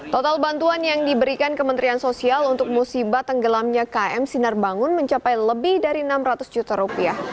total bantuan yang diberikan kementerian sosial untuk musibah tenggelamnya km sinar bangun mencapai lebih dari enam ratus juta rupiah